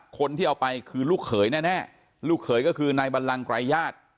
คนที่เอาไปคือลูกเขยแน่ลูกเขยก็คือนายบัลลังไกรญาติ